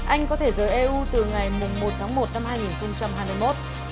anh có thể rời eu từ ngày một tháng một năm hai nghìn hai mươi một